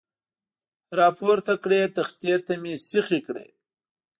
را پورته کړې، تختې ته مې سیخې کړې.